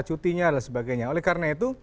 cutinya dan sebagainya oleh karena itu